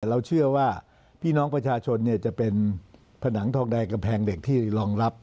แต่เราเชื่อว่าพี่น้องประชาชนจะเป็นผนังทองแดงกำแพงเหล็กที่รองรับ